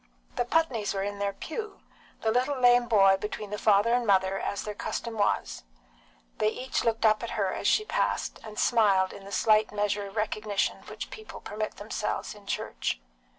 The Putneys were in their pew, the little lame boy between the father and mother, as their custom was. They each looked up at her as she passed, and smiled in the slight measure of recognition which people permit themselves in church.